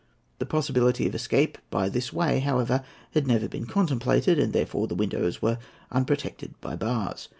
The possibility of escape by this way, however, had never been contemplated, and therefore the windows were unprotected by bars.